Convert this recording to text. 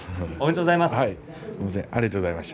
おめでとうございます。